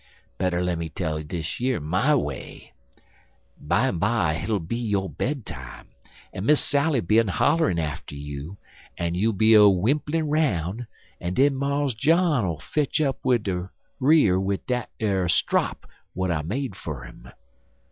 "Better lemme tell dish yer my way. Bimeby hit'll be yo' bed time, en Miss Sally'll be a hollerin' atter you, en you'll be a whimplin' roun', en den Mars John'll fetch up de re'r wid dat ar strop w'at I made fer im."